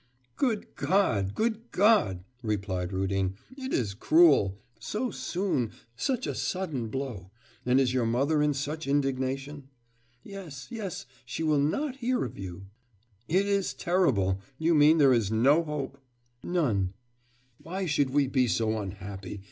'Good God, good God!' replied Rudin, 'it is cruel! So soon... such a sudden blow!... And is your mother in such indignation?' 'Yes, yes, she will not hear of you.' 'It is terrible! You mean there is no hope?' 'None.' 'Why should we be so unhappy!